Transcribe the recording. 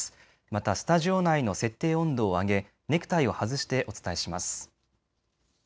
またスタジオ内の設定温度を上げネクタイを外してお伝えします。